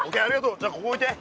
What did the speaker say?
じゃあここおいて。